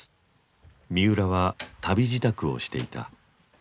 三浦は旅支度をしていた。